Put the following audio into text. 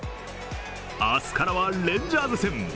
明日からはレンジャーズ戦。